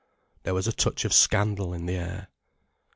There was a touch of scandal in the air.